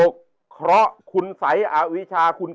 ชื่องนี้ชื่องนี้ชื่องนี้ชื่องนี้